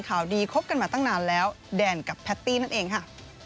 ข่าวดีคบกันมาตั้งนานแล้วแดนกับแพตตี้นั่นเองค่ะ